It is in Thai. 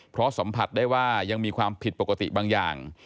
เพราะสัมผัสได้ว่ายังมีความผิดปกติบางอย่าง